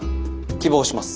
希望します。